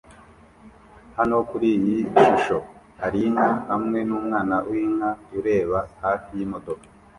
Hano kuri iyi shusho hari inka hamwe numwana winka ureba hafi yimodoka